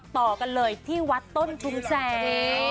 ต่อกันเลยที่วัดต้นชุมแสง